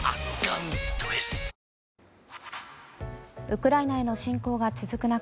ウクライナへの侵攻が続く中